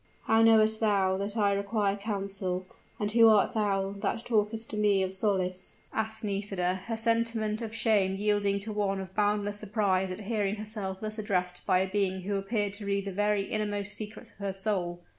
"How knowest thou that I require counsel? and who art thou that talkest to me of solace?" asked Nisida, her sentiment of shame yielding to one of boundless surprise at hearing herself thus addressed by a being who appeared to read the very inmost secrets of her soul.